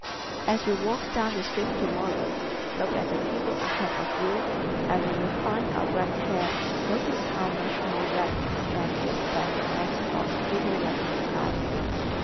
As you walk down the street tomorrow look at the people ahead of you and when you find a "red head" notice how much more red his neck is than the necks of the people walking beside him.